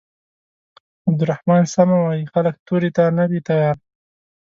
عبدالرحمن سمه وايي خلک تورې ته نه دي تيار.